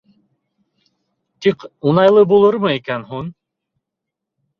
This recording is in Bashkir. Тик уңайлы булырмы икән һуң?